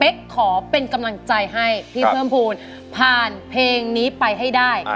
ขอเป็นกำลังใจให้พี่เพิ่มภูมิผ่านเพลงนี้ไปให้ได้